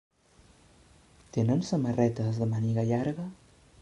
Tenen samarretes de màniga llarga?